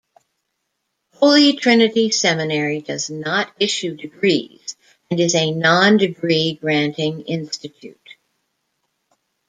Holy Trinity Seminary does not issue degrees, and is a non degree granting institute.